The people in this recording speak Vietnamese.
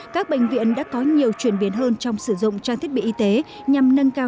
các bệnh viện đã có nhiều chuyển biến hơn trong sử dụng trang thiết bị y tế nhằm nâng cao